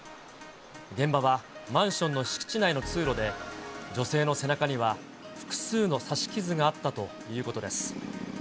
現場はマンションの敷地内の通路で、女性の背中には、複数の刺し傷があったということです。